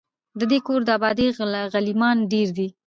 د دې کور د آبادۍ غلیمان ډیر دي